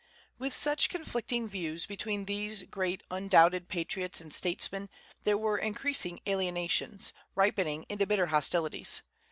With such conflicting views between these great undoubted patriots and statesmen, there were increasing alienations, ripening into bitter hostilities.